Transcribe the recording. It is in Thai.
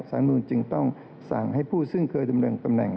สารนุนจึงต้องสั่งให้ผู้ซึ่งเคยดำรงตำแหน่ง